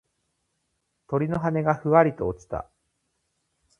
鳥の羽がふわりと落ちた。